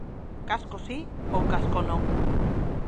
Casco si ou casco non?